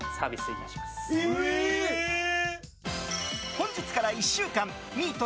本日から１週間ミート